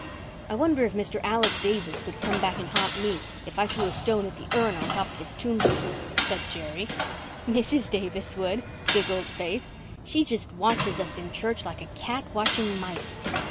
"I wonder if Mr. Alec Davis would come back and ha'nt me if I threw a stone at the urn on top of his tombstone," said Jerry. "Mrs. Davis would," giggled Faith. "She just watches us in church like a cat watching mice.